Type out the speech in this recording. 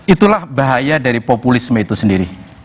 itulah bahaya dari populisme itu sendiri